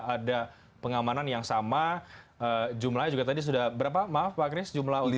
ada pengamanan yang sama jumlahnya juga tadi sudah berapa maaf pak chris